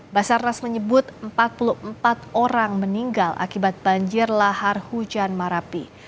basarnas menyebut empat puluh empat orang meninggal akibat banjir lahar hujan marapi